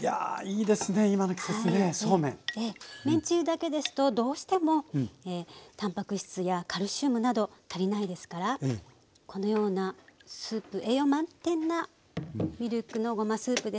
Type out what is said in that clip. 麺つゆだけですとどうしてもタンパク質やカルシウムなど足りないですからこのようなスープ栄養満点なミルクのごまスープですといいですね。